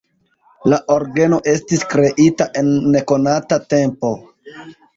La orgeno estis kreita en nekonata tempo.